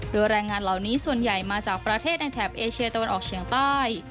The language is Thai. โดยแรงงานเหล่านี้ส่วนใหญ่มาจากประเทศในแถบเอเชียตะวันออกเฉียงใต้